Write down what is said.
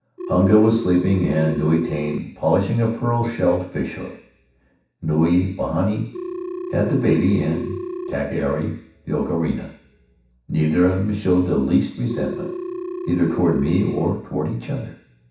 Hunga was sleeping and Nui Tane polishing a pearl shell fish hook; Nui Vahine had the baby and Takierc the ocharina. Neither of them showed the least re sentment, either toward me or toward each other.